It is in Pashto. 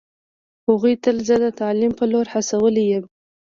هغوی تل زه د تعلیم په لور هڅولی یم